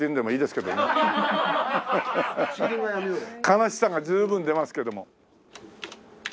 悲しさが十分出ますけども。